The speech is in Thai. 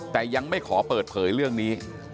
แต่ยังไม่ขอเปิดเผยเรื่องนี้